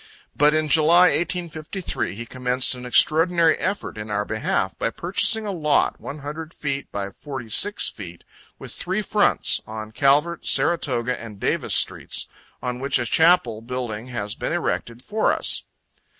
But in July, 1853; he commenced an extraordinary effort in our behalf, by purchasing a lot one hundred feet by forty six feet with three fronts, on Calvert, Saratoga and Davis streets, on which a chapel building has been erected for us.